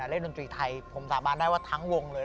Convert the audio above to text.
เล่นดนตรีไทยผมสาบานได้ว่าทั้งวงเลย